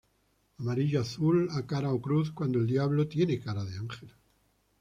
Amarillo azul, a cara o cruz, cuando el diablo tiene cara de ángel.